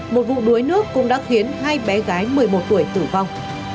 một vụ đuối nước cũng đã khiến hai bé gái một mươi một tuổi tử vong